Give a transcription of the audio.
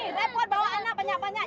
eh repot bawa anak banyak banyak